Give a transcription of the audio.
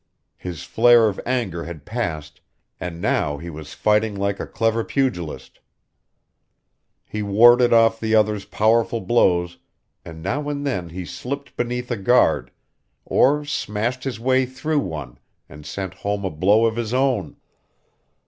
His flare of anger had passed, and now he was fighting like a clever pugilist. He warded off the other's powerful blows, and now and then he slipped beneath a guard, or smashed his way through one, and sent home a blow of his own.